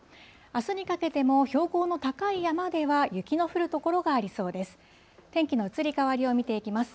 あすにかけても標高の高い山では、雪の降る所がありそうです。